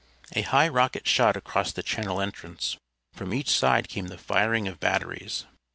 A high rocket shot across the channel entrance. From each side came the firing of batteries.